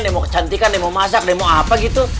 demo kecantikan demo masak demo apa gitu